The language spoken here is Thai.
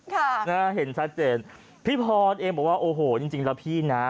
ค่ะนะเห็นชัดเจนพี่พรเองบอกว่าโอ้โหจริงจริงแล้วพี่นะ